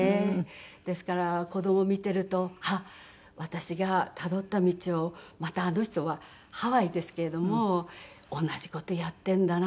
ですから子供見ているとあっ私がたどった道をまたあの人はハワイですけれども同じ事やってんだなと思いました。